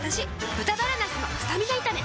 「豚バラなすのスタミナ炒め」